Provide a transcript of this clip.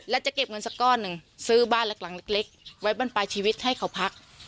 และจะเก็บเงินสักก้อนหนึ่งซื้อบ้านหลังเล็กไว้บรรปลายชีวิตให้เขาพัก